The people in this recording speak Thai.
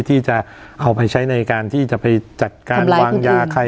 ที่จะเอาไปใช้ในการที่จะไปจัดการวางยาใคร